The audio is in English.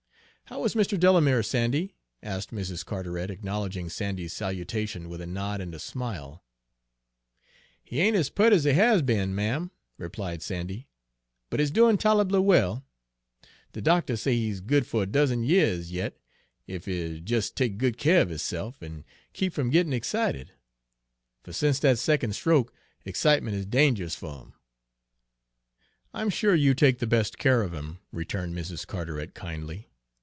"How is Mr. Delamere, Sandy?" asked Mrs. Carteret, acknowledging Sandy's salutation with a nod and a smile. "He ain't ez peart ez he has be'n, ma'am," replied Sandy, "but he's doin' tol'able well. De doctuh say he's good fer a dozen years yit, ef he'll jes' take good keer of hisse'f an' keep f'm gittin' excited; fer sence dat secon' stroke, excitement is dange'ous fer 'im." "I'm sure you take the best care of him," returned Mrs. Carteret kindly.